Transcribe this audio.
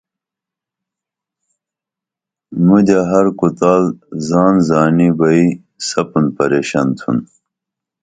مُدے ہر کُتال زان زانی بئی سپُن پریشن تُھن